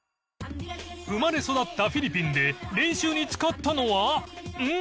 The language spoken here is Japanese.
生まれ育ったフィリピンで練習に使ったのはうん？